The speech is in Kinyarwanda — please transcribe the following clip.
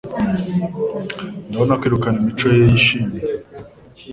Ndabona kwirukana imico ye yishimye.